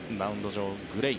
上、グレイ。